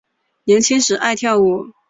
年轻时爱跳舞。